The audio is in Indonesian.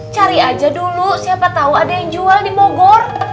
cari aja dulu siapa tahu ada yang jual di bogor